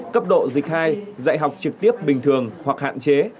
cấp độ dịch hai dạy học trực tiếp bình thường hoặc hạn chế